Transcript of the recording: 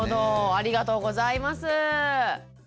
ありがとうございます。